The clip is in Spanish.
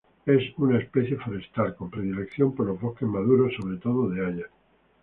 Es una especie forestal, con predilección por los bosques maduros, sobre todo de hayas.